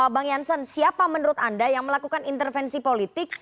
bang jansen siapa menurut anda yang melakukan intervensi politik